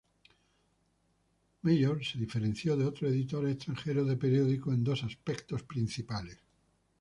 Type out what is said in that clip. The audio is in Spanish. Major se diferenció de otros editores extranjeros de periódicos en dos aspectos principales.